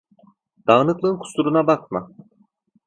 Dağınıklığın kusuruna bakma.